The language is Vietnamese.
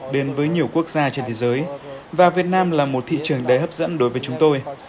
đến với nhiều quốc gia trên thế giới và việt nam là một thị trường đầy hấp dẫn đối với chúng tôi